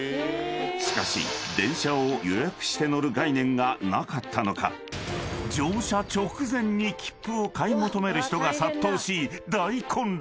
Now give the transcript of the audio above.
［しかし電車を予約して乗る概念がなかったのか乗車直前にきっぷを買い求める人が殺到し大混乱］